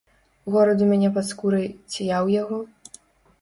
Горад у мяне пад скурай, ці я ў яго?